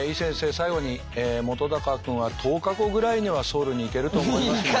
最後に本君は１０日後ぐらいにはソウルに行けると思いますので。